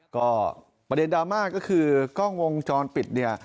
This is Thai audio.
ก็ประเด็นดราม่าก็คือกล้องวงจรปิดเนี่ย